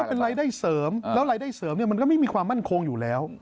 เป็นรายได้เสริมแล้วรายได้เสริมเนี่ยมันก็ไม่มีความมั่นคงอยู่แล้ว